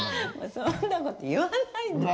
そんな事言わないで。